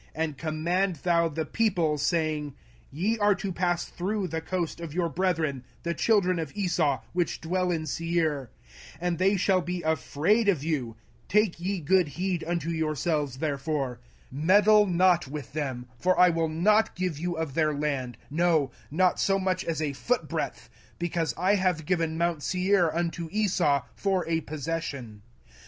05:002:004 And command thou the people, saying, Ye are to pass through the coast of your brethren the children of Esau, which dwell in Seir; and they shall be afraid of you: take ye good heed unto yourselves therefore: 05:002:005 Meddle not with them; for I will not give you of their land, no, not so much as a foot breadth; because I have given mount Seir unto Esau for a possession.